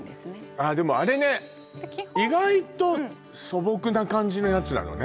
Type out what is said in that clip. ああでもあれね意外と素朴な感じのやつなのね